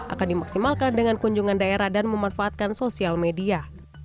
akan dimaksimalkan dengan kunjungan daerah dan memanfaatkan sosial media